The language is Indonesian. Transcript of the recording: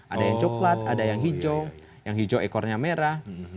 ada yang coklat ada yang hijau yang hijau ekornya merah